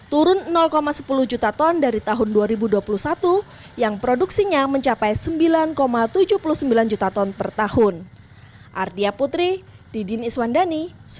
turun sepuluh juta ton dari tahun dua ribu dua puluh satu yang produksinya mencapai sembilan tujuh puluh sembilan juta ton per tahun